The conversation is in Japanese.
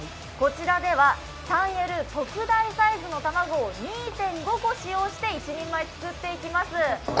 こちらでは３Ｌ、特大サイズの卵を２．５個使用して一人前作っていきます。